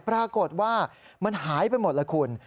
ปรากฏว่ามันหายไปหมดละคุณ